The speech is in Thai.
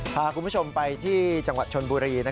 พาคุณผู้ชมไปที่จังหวัดชนบุรี